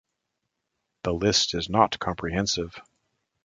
The list is not comprehensive.